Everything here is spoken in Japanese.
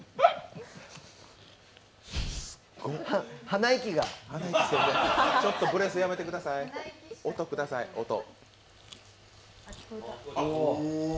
鼻息がちょっとブレスやめてください、音ください、音。